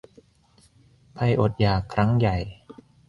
ภัยอดอยาก ครั้งใหญ่